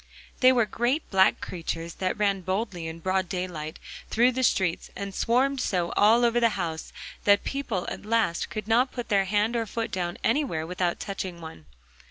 They were great black creatures that ran boldly in broad daylight through the streets, and swarmed so, all over the houses, that people at last could not put their hand or foot down anywhere without touching one.